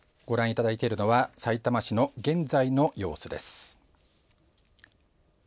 ご覧いただいているのは埼玉市の現在の様子です。